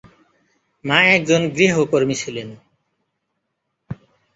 মা একজন গৃহকর্মী ছিলেন।